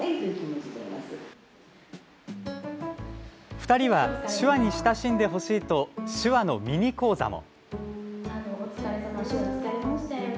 ２人は手話に親しんでほしいと手話のミニ講座も。